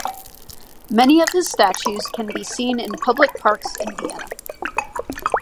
Many of his statues can be seen in public parks in Vienna.